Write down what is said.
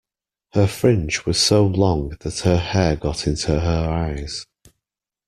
Her fringe was so long that her hair got into her eyes